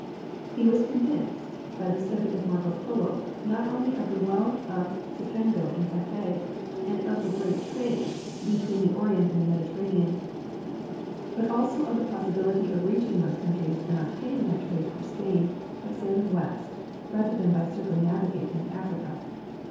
He Avas convinced by the study of Marco Polo not only of the wealth of Cipango and Cathay and of the great trade betAveen the Life 'and Character of Columbus. 7 Orient and the Mediterranean, but also of the possibility of reaching those countries and obtaining that trade for Spain by sailing west rather than by circumnavigating Africa.